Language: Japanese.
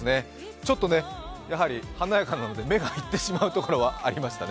ちょっとね、やはり華やかなので目がいってしまうところはありましたね。